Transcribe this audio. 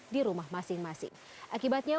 di rumah masing masing akibatnya